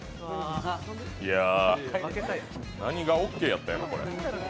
何がオッケーやったんやろう、これ。